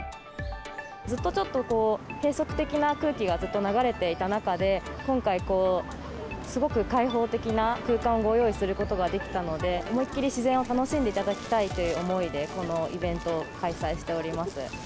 ずっとちょっと閉塞的な空気がずっと流れていた中で、今回、すごく開放的な空間をご用意することができたので、思いっ切り自然を楽しんでいただきたいという思いでこのイベント